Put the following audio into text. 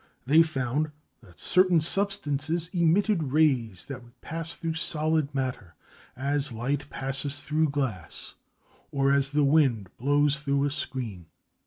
They found that certain substances emitted rays that would pass through solid matter as light passes through glass or as the wind blows through a screen.